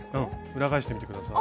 裏返してみて下さい。